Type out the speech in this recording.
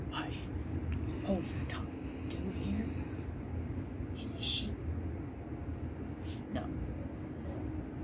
"Hush, hold your tongue. Do you hear?..." "It is she." "No!"